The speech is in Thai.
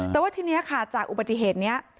แต่ว่าทีนี้ค่ะจากอุบัติเหตุนี้